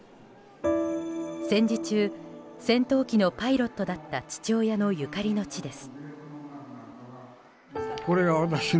戦時中、戦闘機のパイロットだった父親のゆかりの地です。